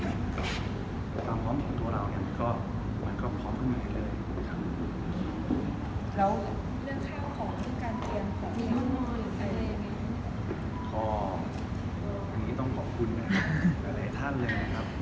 เนี่ยต้องขอบคุณครับหมายถึงมากว่าว่าเป็นพี่คุณป้าหรืออย่างนี้